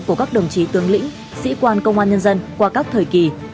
của các đồng chí tướng lĩnh sĩ quan công an nhân dân qua các thời kỳ